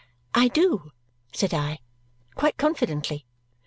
"I do," said I, "quite confidently."